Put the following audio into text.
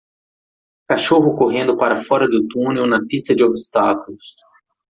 Cachorro correndo para fora do túnel na pista de obstáculos